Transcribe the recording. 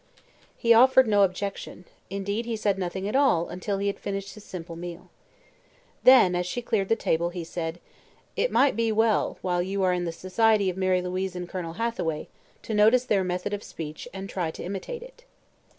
He offered no objection. Indeed, he said nothing at all until he had finished his simple meal. Then, as she cleared the table, he said: "It might be well, while you are in the society of Mary Louise and Colonel Hathaway, to notice their method of speech and try to imitate it."